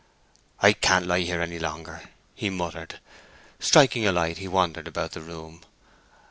"I can't lie here any longer," he muttered. Striking a light, he wandered about the room.